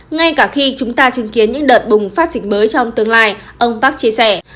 ngay cả khi chúng ta chứng kiến những đợt bùng phát dịch mới trong tương lai ông park chia sẻ